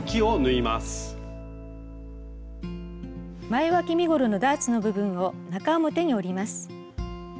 前わき身ごろのダーツの部分を中表に折ります。